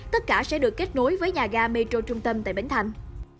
tất cả sẽ được kết nối với nhà ga metro trung tâm tại bến thành